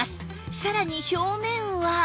さらに表面は